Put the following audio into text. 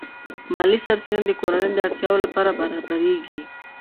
مالی سرچینې د کورنۍ د اړتیاوو لپاره برابرېږي.